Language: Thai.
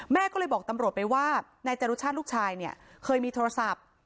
แม่ก็เลยบอกตำรวจไปว่านายจรุชาติลูกชายเนี่ยเคยมีโทรศัพท์